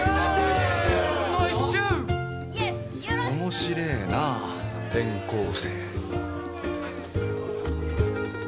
面白えな転校生。